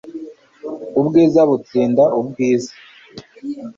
ubwiza butsinda ubwiza